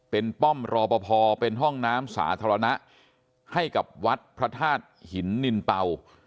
เป็นป้อมรอปภเป็นห้องน้ำสาธารณะให้กับวัดพระธาตุหินนินเป่า